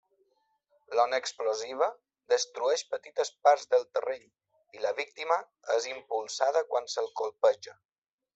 L'ona explosiva destrueix petites parts del terreny i la víctima és impulsada quan se'l colpeja.